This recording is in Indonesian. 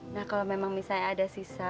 nah kalau memang misalnya ada sisa